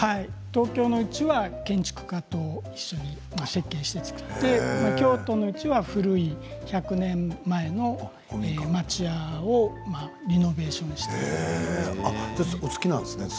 東京のうちは建築家と一緒に設計して造って京都のうちは古い１００年前の町屋をお好きなんですね。